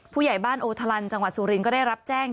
ผู้ใหญ่บ้านโอทะลันจังหวัดสุรินทก็ได้รับแจ้ง